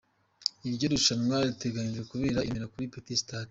Iryo rushanwa riteganyijwe kubera i Remera kuri Petit Stade.